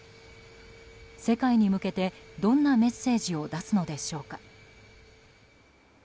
世界に向けてどんなメッセージを出すのでしょうか。